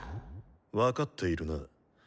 分かっているな？